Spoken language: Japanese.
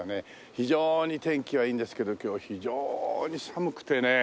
非常に天気はいいんですけど今日は非常に寒くてね。